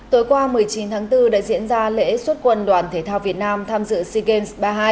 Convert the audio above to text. tối qua một mươi chín tháng bốn đã diễn ra lễ xuất quân đoàn thể thao việt nam tham dự sea games ba mươi hai